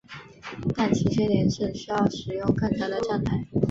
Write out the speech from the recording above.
但其缺点是需要使用更长的站台。